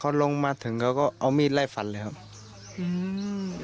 พอลงมาถึงเขาก็เอามีดไล่ฟันเลยครับอืม